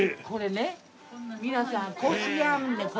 これね皆さん。